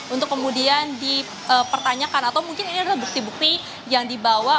untuk kemudian dipertanyakan atau mungkin ini adalah bukti bukti yang dibawa